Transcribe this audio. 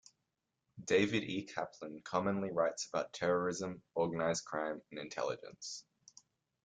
David E. Kaplan commonly writes about terrorism, organized crime, and intelligence.